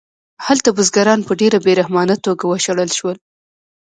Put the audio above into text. هلته بزګران په ډېره بې رحمانه توګه وشړل شول